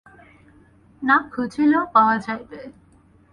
না খুঁজিলেও পাওয়া যাইবে।